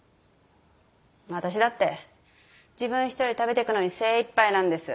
私だって自分一人食べてくのに精いっぱいなんです。